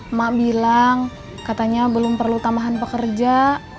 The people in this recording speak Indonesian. emak bilang katanya belum perlu tambahan pekerja